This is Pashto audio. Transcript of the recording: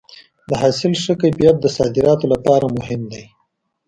د حاصل ښه کیفیت د صادراتو لپاره مهم دی.